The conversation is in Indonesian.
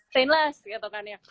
stainless gitu kan ya